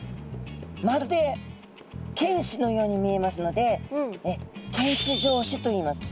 まるで犬歯のように見えますので犬歯状歯といいます。